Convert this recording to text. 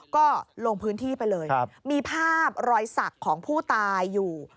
ก็ลงพื้นที่ไปเลยมีภาพรอยสักของผู้ตายอยู่